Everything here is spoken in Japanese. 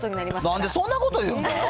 なんでそんなこと言うの？